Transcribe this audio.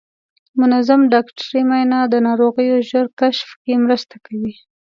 منظم ډاکټري معاینه د ناروغیو ژر کشف کې مرسته کوي.